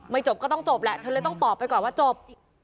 จบก็ต้องจบแหละเธอเลยต้องตอบไปก่อนว่าจบ